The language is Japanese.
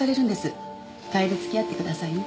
帰りつき合ってくださいね。